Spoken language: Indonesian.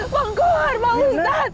pak kauh hari pak ustadz